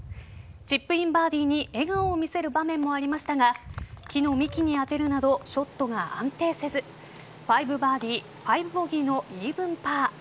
チップインバーディーに笑顔を見せる場面もありましたが木の幹に当てるなどショットが安定せず５バーディー、５ボギーのイーブンパー。